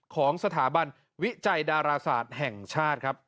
ของสถาบันวิจัยดาราศาสตร์แห่งชาติครับ